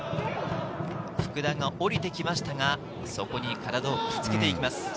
福田がおりてきましたが、そこに体をぶつけていきます。